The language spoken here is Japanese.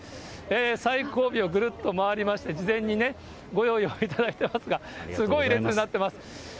最後尾をぐるっと回りまして、事前にね、ご用意をいただいていますが、すごい列になってます。